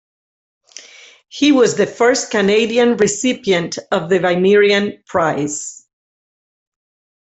He was the first Canadian recipient of the Vinerian Prize.